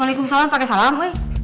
waalaikumsalam pakai salam